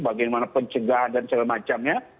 bagaimana pencegahan dan segala macamnya